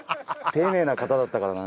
丁寧な方だったからな。